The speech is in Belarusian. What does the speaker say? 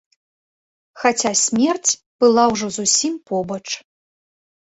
Хаця смерць была ўжо зусім побач.